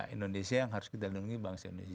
indonesia yang harus kita lindungi bangsa indonesia